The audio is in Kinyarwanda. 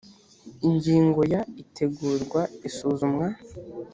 ingingo ya itegurwa isuzumwa